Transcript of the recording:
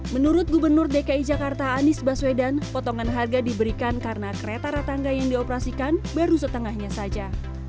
menurut gubernur dki jakarta anies baswedan potongan harga diberikan karena kereta ratangga yang dioperasikan baru setengahnya saja